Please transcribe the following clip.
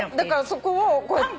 そこをこうやって。